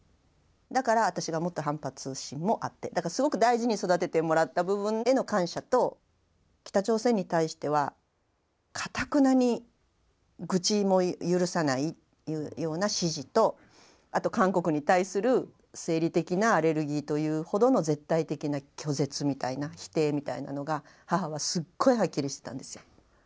だから私がもっと反発心もあってだからすごく大事に育ててもらった部分への感謝と北朝鮮に対してはかたくなに愚痴も許さないというような支持とあと韓国に対する生理的なアレルギーというほどの絶対的な拒絶みたいな否定みたいなのが母はすっごいはっきりしてたんですよ。